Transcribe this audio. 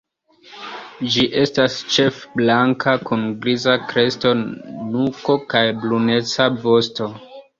Ĝi estas ĉefe blanka, kun griza kresto, nuko kaj bruneca vosto.